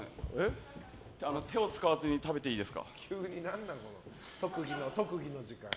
手を使わずに食べていいですか。